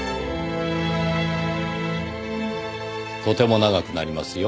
とても長くなりますよ。